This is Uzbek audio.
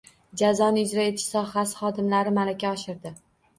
Jazoni ijro etish sohasi xodimlari malaka oshirdi